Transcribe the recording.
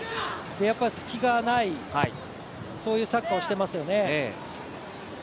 隙がない、そういうサッカーをしていますよね。